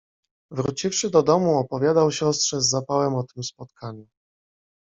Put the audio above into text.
Wróciwszy do domu, opowiadał siostrze z zapałem o tym spotkaniu.